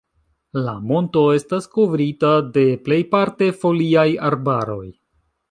La monto estas kovrita de plejparte foliaj arbaroj.